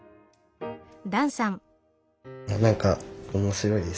何か面白いです。